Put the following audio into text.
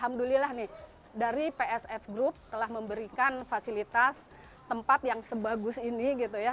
alhamdulillah nih dari psf group telah memberikan fasilitas tempat yang sebagus ini gitu ya